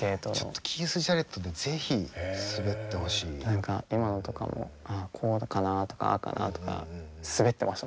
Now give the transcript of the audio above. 何か今のとかもあっこうかなとかああかなとか滑ってました